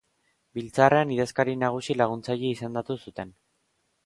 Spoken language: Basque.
Biltzarrean idazkari nagusi laguntzaile izendatu zuten.